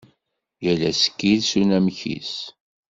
Yal asekkil s unamek-is.